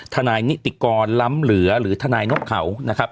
นายนิติกรล้ำเหลือหรือทนายนกเขานะครับ